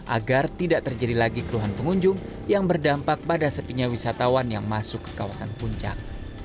agar tidak terjadi lagi keluhan pengunjung yang berdampak pada sepinya wisatawan yang masuk ke kawasan puncak